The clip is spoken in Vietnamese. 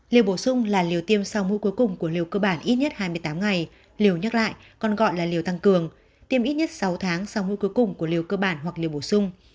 liều bổ sung là liều tiêm sau mũi cuối cùng của liều cơ bản ít nhất hai mươi tám ngày liều nhắc lại còn gọi là liều tăng cường tiêm ít nhất sáu tháng sau mũi cuối cùng của liều cơ bản hoặc liều bổ sung